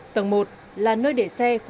tầng một là nơi để xe của toàn bộ cư